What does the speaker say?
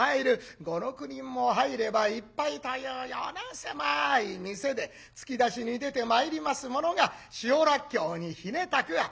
５６人も入ればいっぱいというような狭い店で突き出しに出てまいりますものが塩らっきょうにひねたくあん。